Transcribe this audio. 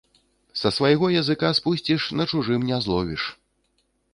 Са свайго языка спусціш — на чужым не зловіш